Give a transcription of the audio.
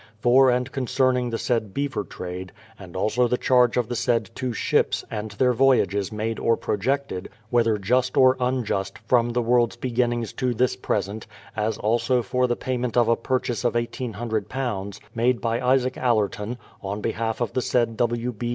for and concerning the said beaver trade, and also the charge of the said two ships, and their voyages made or projected, whether just or unjust, from the world's beginning to this present, as also for the payment of a purchase of £1800 made by Isaac Allerton, on behalf of the said W. B.